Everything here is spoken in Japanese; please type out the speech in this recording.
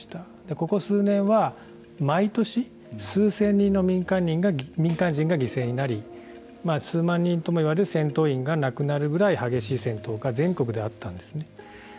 ここ数年は毎年、数千人の民間人が犠牲になり数万人ともいわれる戦闘員が亡くなるぐらい激しい戦闘が全国であったんですね。